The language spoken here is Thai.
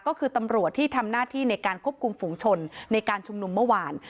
ก็คือตำรวจที่ทำหน้าที่ในการควบคุมฝุงชนในการชุมนุมเมื่อวาน